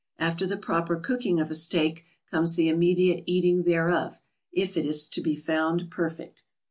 After the proper cooking of a steak comes the immediate eating thereof, if it is to be found perfect.